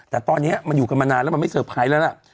แต่ตอนนี้มันอยู่กันมานานแล้วมันไม่เตอร์ไพรส์แล้วล่ะ